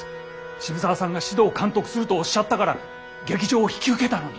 渋沢さんが指導監督するとおっしゃったから劇場を引き受けたのに。